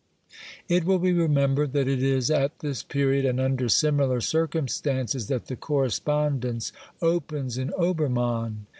CRITICAL INTRODUCTION ix will be remembered that it is at this period, and under similar circumstances, that the correspondence opens in Obermann.